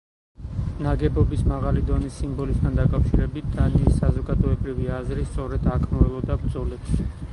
ნაგებობის მაღალი დონის სიმბოლიზმთან დაკავშირებით დანიის საზოგადოებრივი აზრი სწორედ აქ მოელოდა ბრძოლებს.